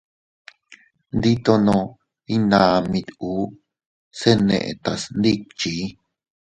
Nditono iynamit uu, se netas ndikchi.